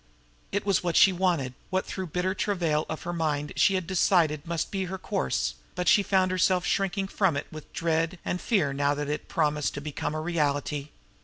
It was what she wanted, what through bitter travail of mind she had decided must be her course; but she found herself shrinking from it with dread and fear now that it promised to become a reality.